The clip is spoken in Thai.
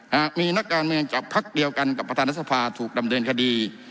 หากมีนักการเมืองจากพักเดียวกันกับประธานรัฐสภาถูกดำเนินคดี